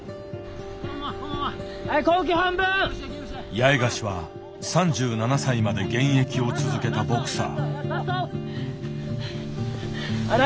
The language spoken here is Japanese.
八重樫は３７歳まで現役を続けたボクサー。